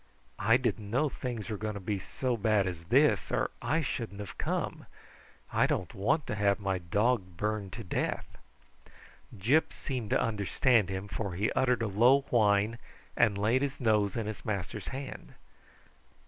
"I didn't know things were going to be so bad as this or I shouldn't have come. I don't want to have my dog burned to death." Gyp seemed to understand him, for he uttered a low whine and laid his nose in his master's hand.